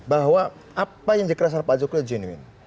bahwa apa yang dikerasakan pak jokowi jenuin